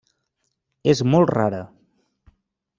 És molt rara.